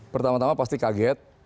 pertama tama pasti kaget